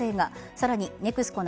さらにＮＥＸＣＯ